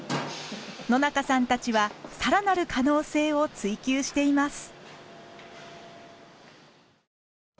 野中さんたちはさらなる可能性を追求しています。